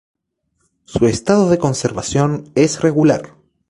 Su estado de conservación es regular.